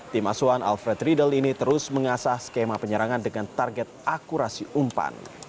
tim asuhan alfred riedel ini terus mengasah skema penyerangan dengan target akurasi umpan